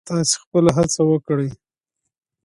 تاسې خپله هڅه وکړئ.